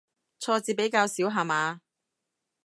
挫折比較少下嘛